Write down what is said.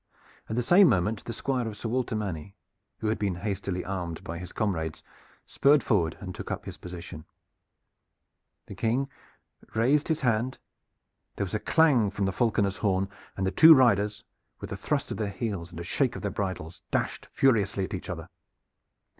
At the same moment the Squire of Sir Walter Manny, who had been hastily armed by his comrades, spurred forward and took up his position. The King raised his hand; there was a clang from the falconer's horn, and the two riders, with a thrust of their heels and a shake of their bridles, dashed furiously at each other.